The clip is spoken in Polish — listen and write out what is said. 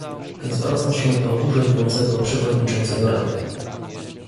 Zwracam się do urzędującego przewodniczącego Rady